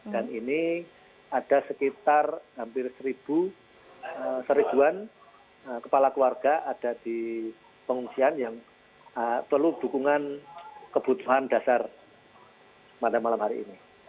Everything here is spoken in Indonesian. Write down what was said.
dan ini ada sekitar hampir seribuan kepala keluarga ada di pengungsian yang perlu dukungan kebutuhan dasar pada malam hari ini